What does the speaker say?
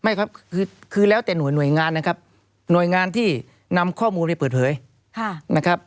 ครับคือแล้วแต่หน่วยหน่วยงานนะครับหน่วยงานที่นำข้อมูลไปเปิดเผยนะครับ